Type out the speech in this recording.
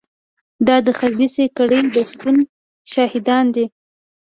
دا د خبیثه کړۍ د شتون شاهدان دي.